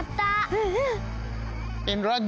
うんうん！